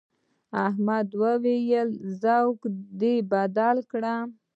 احمد وويل: ذوق دې بدل کړه.